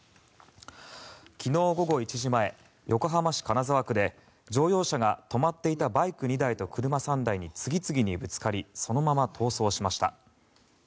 昨日午後１時前横浜市金沢区で乗用車が止まっていたバイク２台と車３台に次々にぶつかりそのまま逃走しました。